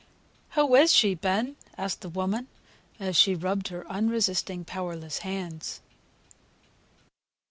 "Who is she, Ben?" asked the woman, as she rubbed her unresisting, powerless hands.